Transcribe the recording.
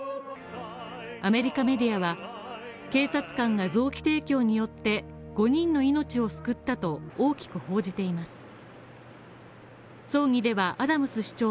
アメリカメディアは、警察官が臓器提供によって５人の命を救ったと大きく報じています。